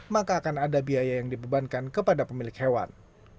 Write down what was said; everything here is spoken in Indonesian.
maka akan ada biaya yang dibebankan kepada pemilik hewan